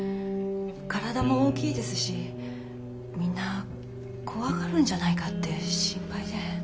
体も大きいですしみんな怖がるんじゃないかって心配で。